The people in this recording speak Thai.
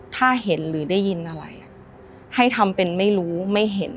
ถ้าเห็นหรือได้ยินอะไรให้ทำเป็นไม่รู้ไม่เห็น